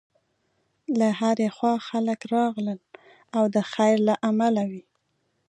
له هرې خوا خلک راغلل او د خیر له امله وې.